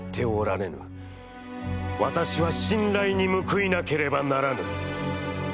私は、信頼に報いなければならぬ。